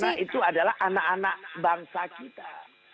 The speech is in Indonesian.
karena itu adalah anak anak bangsa kita